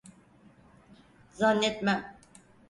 Zannetmem…